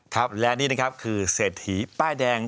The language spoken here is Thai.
ครับและนี่นะครับคือเศรษฐีป้ายแดง